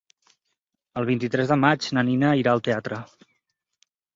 El vint-i-tres de maig na Nina irà al teatre.